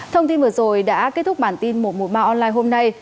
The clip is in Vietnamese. thông tin vừa rồi đã kết thúc bản tin một trăm một mươi ba online hôm nay